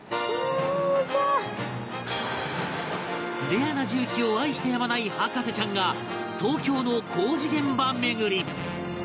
レアな重機を愛してやまない博士ちゃんが東京の工事現場巡り！